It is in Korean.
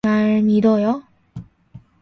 날 믿어요?